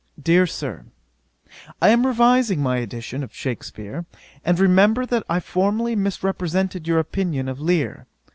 'DEAR SIR, 'I am revising my edition of Shakspeare, and remember that I formerly misrepresented your opinion of Lear.